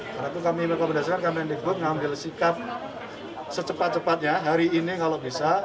karena itu kami merekomendasikan kemendikbud mengambil sikap secepat cepatnya hari ini kalau bisa